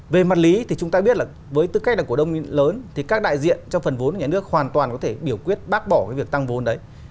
về mặt lý thì chúng ta biết là với tư cách là cổ đông lớn thì các đại diện trong phần vốn của nhà nước hoàn toàn có thể biểu quyết bác bỏ cái việc tăng vốn đấy